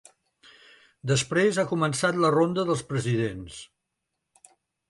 Després ha començat la ronda dels presidents.